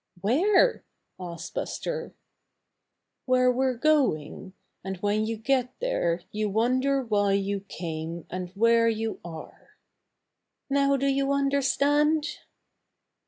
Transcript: "Where?" asked Buster. "Where we're going, and when you get there you wonder why you came, and where you are. Now do you understand?"